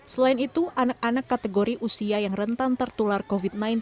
selain itu anak anak kategori usia yang rentan tertular covid sembilan belas